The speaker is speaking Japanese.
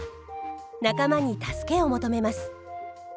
仲間に助けを求めます。